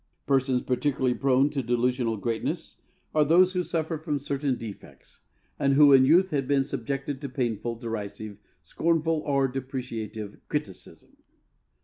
Persons particularly prone to delusional greatness are those who suffer from certain defects and who in youth had been subjected to painful, derisive, scornful, or depreciative criticism.